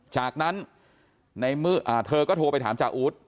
จากนั้นเธอก็โทรไปถามจาอู๊ด